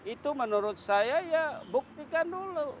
itu menurut saya ya buktikan dulu